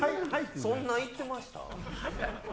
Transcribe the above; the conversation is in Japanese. そんな行ってました？